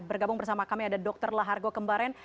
bergabung bersama kami ada dr lahargo kembaren